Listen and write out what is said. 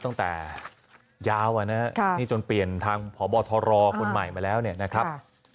ตั้งแต่ยาวนะนี่จนเปลี่ยนทางพบทรคนใหม่มาแล้วเนี่ยนะครับ